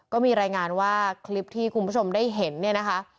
ก็มีรายงานว่าคลิปที่คุณผู้ชมได้เห็นเนี่ยนะคะ